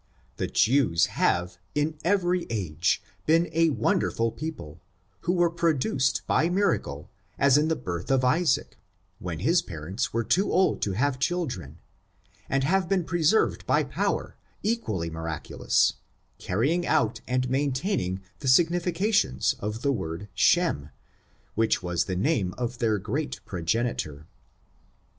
The Jews have, in every age, been a wonderful people, who were produced by miracle as in the birth of IsaaCy when his parents were too old to have chil dren, and have been preserved by power, equally miraculous, carrying out and maintaining the signi fications of the word Shem, which was the name of their great progenitor.